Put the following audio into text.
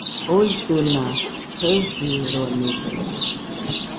Uisɨna jejɨronide